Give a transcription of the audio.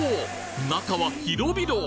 中は広々！